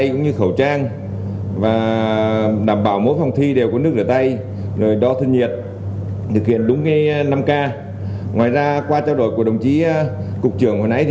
qua trao đổi của đồng chí cục trưởng hồi nãy